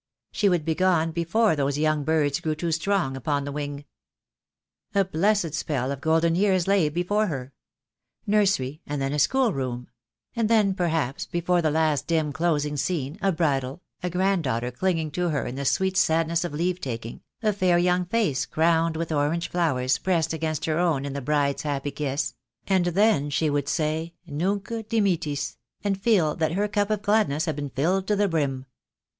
She would be gone before those young birds grew too strong upon the wing. A blessed spell of golden years lay before her; nursery, and then a schoolroom; and then perhaps before the last dim closing scene a bridal, a granddaughter clinging to her in the sweet sadness of leave taking, a fair young face crowned with orange flowers pressed against her own in the bride's happy kiss — and then she would say Nunc dimittis , and feel that her cup of gladness had been filled to the brim.